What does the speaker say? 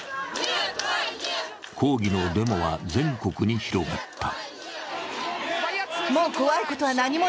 抗議のデモは全国に広がった。